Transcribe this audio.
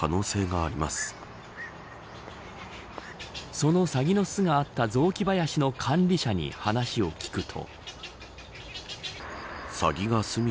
そのサギの巣があった雑木林の管理者に話を聞くと。